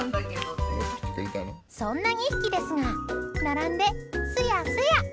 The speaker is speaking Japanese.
そんな２匹ですが並んでスヤスヤ。